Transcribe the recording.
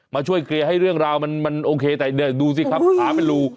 มาช่วยเคลียร์ให้เรื่องราวมันโอเคแต่ดูสิครับขาเป็นรู